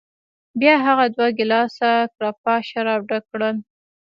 بیا هغه دوه ګیلاسه ګراپا شراب ډک کړل.